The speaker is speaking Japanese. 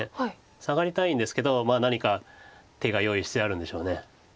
サガりたいんですけどまあ何か手が用意してあるんでしょう。